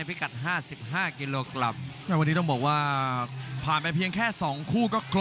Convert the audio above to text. และนี่คือโปรเฟตชีวิต๓๔วินแทลลูซิสและทูดรอร์